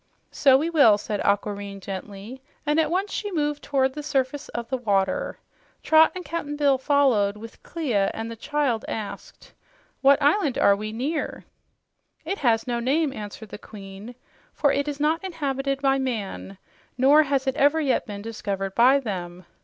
"So we will," said Aquareine gently, and at once she moved toward the surface of the water. Trot and Cap'n Bill followed, with Clia, and the child asked, "What island are we near?" "It has no name," answered the Queen, "for it is not inhabited by man, nor has it ever yet been discovered by them.